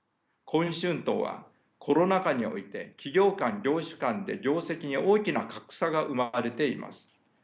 今春闘はコロナ禍において企業間業種間で業績に大きな格差が生まれています。